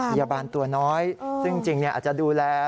พยาบาลตัวน้อยซึ่งจริงอาจจะดูแล